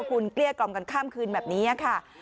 คุณเกลี้ยกล่อมกันข้ามคืนแบบนี้ค่ะ